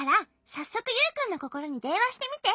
さっそくユウくんのココロにでんわしてみて。